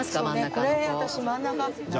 これ私真ん中。